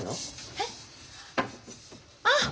えっ？ああ！